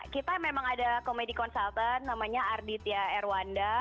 kita memang ada komedi consultant namanya arditia erwanda